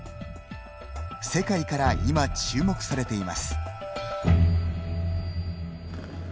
世界から今注目されています。